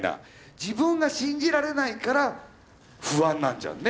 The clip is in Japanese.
自分が信じられないから不安なんじゃんね。